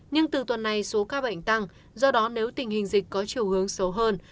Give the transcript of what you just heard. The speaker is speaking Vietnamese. nhưng từ tuần này số ca bệnh tăng do đó nếu tình hình dịch có chiều hướng xấu hơn